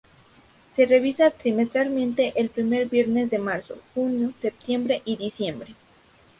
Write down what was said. Se revisa trimestralmente, el primer viernes de marzo, junio, septiembre y diciembre.